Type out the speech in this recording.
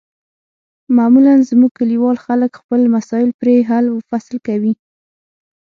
معمولا زموږ کلیوال خلک خپل مسایل پرې حل و فصل کوي.